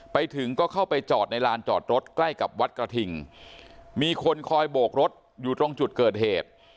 ไปถึงก็เข้าไปจอดในลานจอดรถใกล้กับวัดกระทิงมีคนคอยโบกรถอยู่ตรงจุดเกิดเหตุ